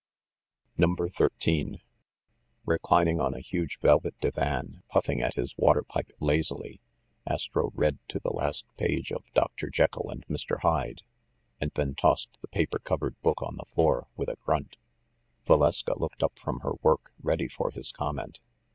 NUMBER THIRTEEN RECLINING on a huge velvet divan, puffing at his water pipe lazily, Astro read to the last page of Dr. Jekyll and Mr. Hyde, and then tossed the paper covered book on the floor with a grunt. Valeska looked up from her work, ready for his comment.